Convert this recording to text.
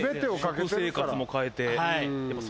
食生活も変えて。